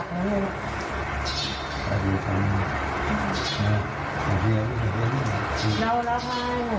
แต่หนูไม่มีตังค์นะคุณเจ้า